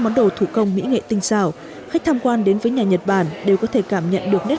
món đồ thủ công mỹ nghệ tinh xảo khách tham quan đến với nhà nhật bản đều có thể cảm nhận được nét